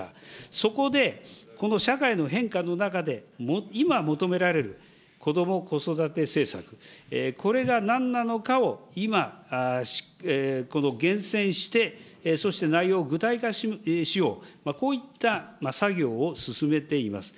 そこで、この社会の変化の中で、今求められるこども・子育て政策、これがなんなのかを今、この厳選して、そして内容を具体化しよう、こういった作業を進めています。